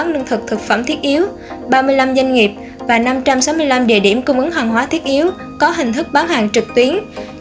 lương thực thực phẩm thiết yếu ba mươi năm doanh nghiệp và năm trăm sáu mươi năm địa điểm cung ứng hàng hóa thiết yếu có hình thức bán hàng trực tuyến